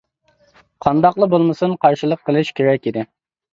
قانداقلا بولمىسۇن قارشىلىق قىلىش كېرەك ئىدى.